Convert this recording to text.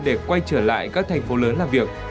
để quay trở lại các thành phố lớn làm việc